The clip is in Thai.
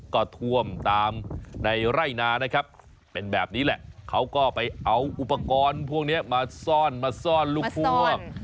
ก็ท่วมตามในไร่นานะครับเป็นแบบนี้แหละเขาก็ไปเอาอุปกรณ์พวกนี้มาซ่อนมาซ่อนลูกพวก